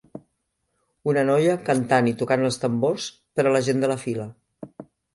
Una noia cantant i tocant els tambors per a la gent de la fila.